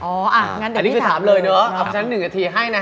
อ๋ออย่างนั้นเดี๋ยวพี่ถามเลย